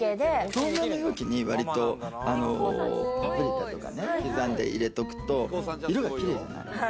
透明な容器にパプリカとか刻んで入れておくと色がキレイじゃない？